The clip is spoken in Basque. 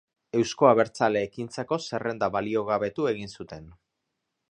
Eusko Abertzale Ekintzako zerrenda baliogabetu egin zuten.